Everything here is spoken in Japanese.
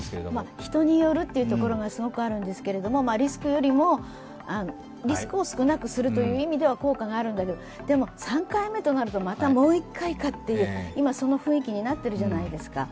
人によるというところがすごくあるんですけど、リスクを少なくするという意味では効果があるんだけど３回目となるとまたもう一回かという、今、そういう雰囲気になってるじゃないですか。